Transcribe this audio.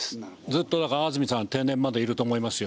ずっとだから安住さんは定年までいると思いますよ。